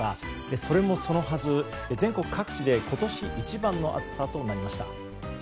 それもそのはず、全国各地で今年一番の暑さとなりました。